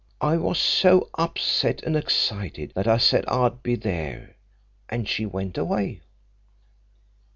I was so upset and excited that I said I'd be there, and she went away.